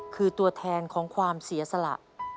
คือตัวแทนของความเสียสละ